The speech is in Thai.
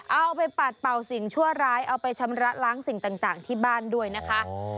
เอาไปปัดเป่าสิ่งชั่วร้ายเอาไปชำระล้างสิ่งต่างที่บ้านด้วยนะคะ